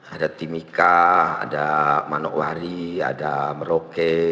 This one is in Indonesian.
ada timika ada manokwari ada merauke